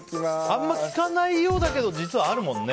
あんま聞かないようだけど実はあるもんね。